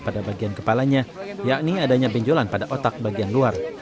pada bagian kepalanya yakni adanya benjolan pada otak bagian luar